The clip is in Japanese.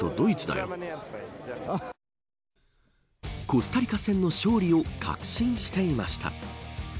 コスタリカ戦の勝利を確信していました。